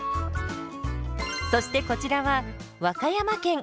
そしてこちらは和歌山県。